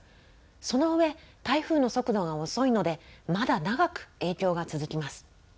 その上、台風の速度が遅いので、まだ長く影響が続きます。